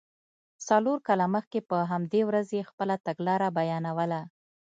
څلور کاله مخکې په همدې ورځ یې خپله تګلاره بیانوله.